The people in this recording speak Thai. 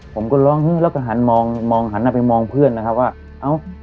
ผมก็ร้องเฮ้ยแล้วก็หันมองมองหันไปมองเพื่อนนะครับว่าเอ้า